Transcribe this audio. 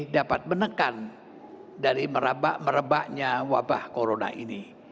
dapat menekan dari merebak merebaknya wabah corona ini